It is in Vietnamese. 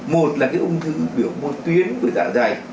một là cái ung thư biểu môi tuyến của dạ dày